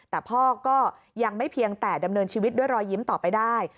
แต่พ่อก็ยังไม่เพียงแต่ดำเนินชีวิตด้วยรอยยิ้มต่อไปได้